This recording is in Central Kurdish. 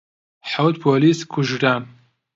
حەوت پۆلیس کوژران.